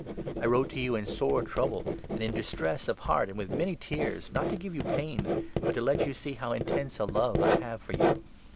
I wrote to you in sore trouble and 4 distress of heart and with many tears, not to give you pain, but to let you see how intense a love I have for you.